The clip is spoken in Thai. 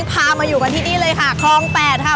พามาอยู่กันที่นี่เลยค่ะคลอง๘ค่ะ